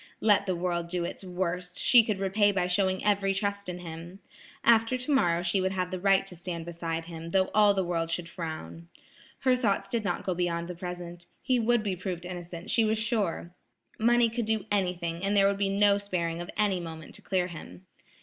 Let the world do its worst, she could repay by showing every trust in him. After tomorrow she would have the right to stand beside him, though all the world should frown. Her thoughts did not go beyond the present. He would be proved innocent, she was sure. Money could do anything and there would be no sparing of any moment to clear him.